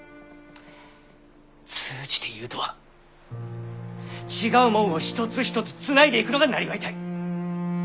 通詞ていうとは違うもんを一つ一つつないでいくのがなりわいたい。